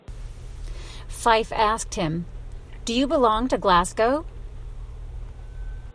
Fyffe asked him: Do you belong to Glasgow?